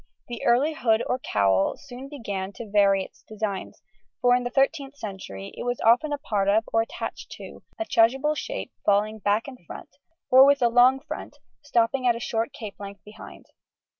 The early hood or cowl soon began to vary its design, for in the 13th century it was often a part of, or attached to, a chasuble shape falling back and front, or with the long front, stopping at a short cape length behind.